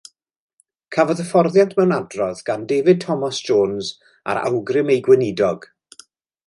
Cafodd hyfforddiant mewn adrodd gan David Thomas Jones ar awgrym ei gweinidog.